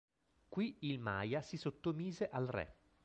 Qui il Maia si sottomise al re.